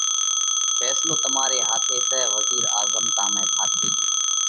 ڦينصلو تماري هاٿي سئہ۔ وزِير آزمتا ۾ ڦاٿِي ڳيو،